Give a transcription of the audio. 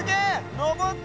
のぼった！